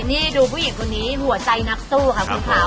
นี่ดูผู้หญิงคนนี้หัวใจนักสู้ค่ะคุณขาว